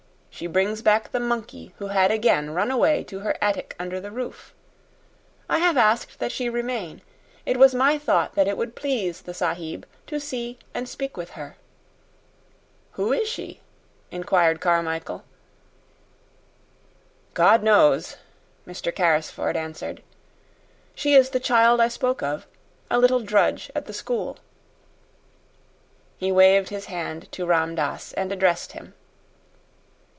She brings back the monkey who had again run away to her attic under the roof. I have asked that she remain. It was my thought that it would please the sahib to see and speak with her." "Who is she?" inquired Mr. Carmichael. "God knows," Mr. Carrrisford answered. "She is the child I spoke of. A little drudge at the school." He waved his hand to Ram Dass, and addressed him.